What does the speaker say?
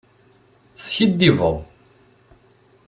Teskiddibeḍ.